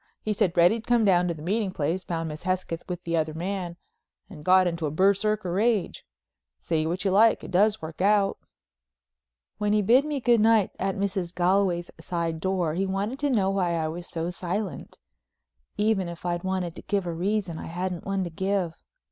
He said Reddy'd come down to the meeting place, found Miss Hesketh with the other man and got into a Berserker rage. Say what you like, it does work out." When he bid me good night at Mrs. Galway's side door he wanted to know why I was so silent? Even if I'd wanted to give a reason I hadn't one to give.